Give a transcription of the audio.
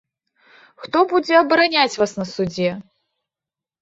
Хто будзе абараняць вас на судзе?